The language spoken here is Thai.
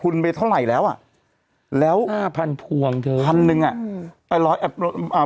ร้อยมาลัยอ่ะ